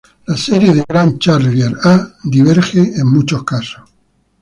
La serie de Gram–Charlier A diverge en muchos casos.